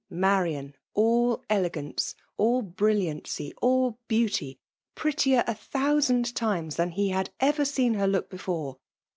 Marian, all elnganoe^ all briUianfly, all heauty — prettier, a thonaaad times, than he had over seen her look hefiare